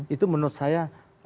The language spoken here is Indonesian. itu menurut saya